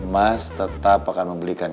mas tetap akan membelikan